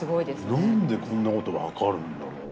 何でこんなこと分かるんだろう？